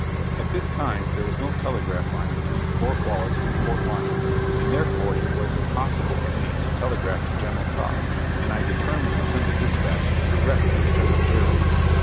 At this time there was no telegraph line between Fort Wallace and Fort Lyon, and therefore it was impossible for me to telegraph to General Carr, and I determined to send a dispatch direct to General Sheridan.